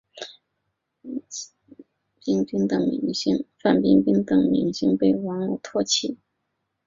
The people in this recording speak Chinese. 又因为其在天涯论坛诽谤范冰冰等明星被网友唾弃。